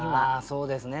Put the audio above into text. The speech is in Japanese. そうですね